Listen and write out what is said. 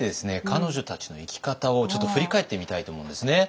彼女たちの生き方を振り返ってみたいと思うんですね。